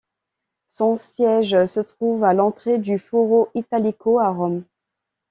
Son siège se trouve à l'entrée du Foro Italico à Rome.